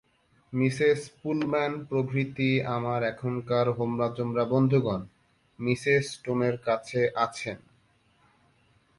Mrs Pullman প্রভৃতি আমার এখানকার হোমরাচোমরা বন্ধুগণ মিসেস স্টোনের কাছে আছেন।